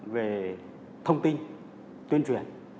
về thông tin tuyên truyền